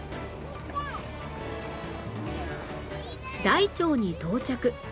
大腸に到着